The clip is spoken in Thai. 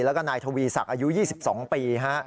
แล้วก็นายทวีศักดิ์อายุ๒๒ปี